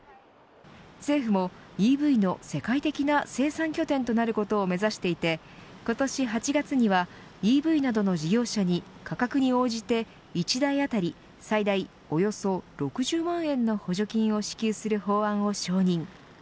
政府もＥＶの世界的な生産拠点となることを目指していて今年８月には、ＥＶなどの事業者に、価格に応じて１台あたり最大およそ６０万円の補助金を支給する法案を承認。